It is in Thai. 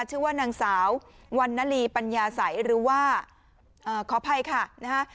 ชื่อว่านางสาววันนาลีปัญญาสัยหรือว่าขออภัยค่ะนะฮะ